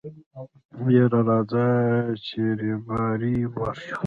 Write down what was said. يره راځه په رېبارۍ ورشو.